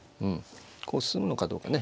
こうするのかどうかね。